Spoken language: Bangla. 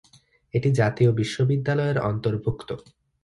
এটি জাতীয় বিশ্ববিদ্যালয়ের অন্তর্ভুক্ত।